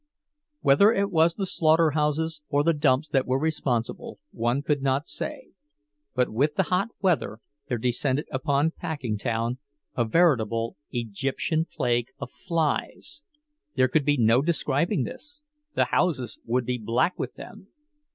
Whether it was the slaughterhouses or the dumps that were responsible, one could not say, but with the hot weather there descended upon Packingtown a veritable Egyptian plague of flies; there could be no describing this—the houses would be black with them.